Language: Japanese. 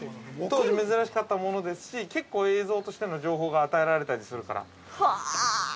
当時、珍しかったものですし結構、映像としての情報が与えられたりするから。